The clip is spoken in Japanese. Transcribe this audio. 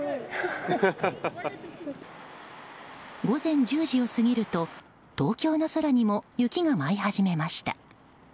午前１０時を過ぎると東京の空にも雪が舞い始めました。